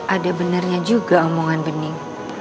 ada benarnya juga omongan bening